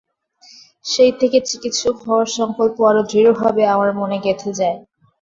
সেই থেকে চিকিৎক হওয়ার সংকল্প আরও দৃঢ়ভাবে আমার মনে গেঁথে যায়।